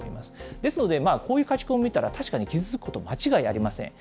ですので、こういう書き込みを見たら、確かに傷つくことは間違いありません。